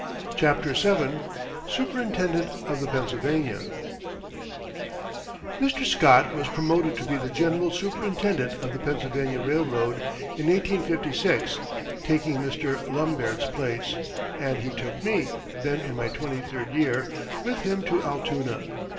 CHAPTER VII SUPERINTENDENT OF THE PENNSYLVANIA Mr. Scott was promoted to be the general superintendent of the Pennsylvania Railroad in 1856, taking Mr. Lombaert's place; and he took me, then in my twenty third year, with him to Altoona.